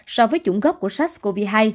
so với chủng gốc của sars cov hai